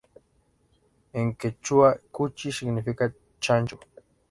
En quechua "cuchi" significa "chancho".